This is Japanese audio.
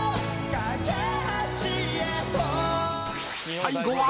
［最後は］